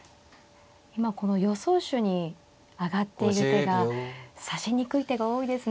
今この予想手に挙がっている手が指しにくい手が多いですね。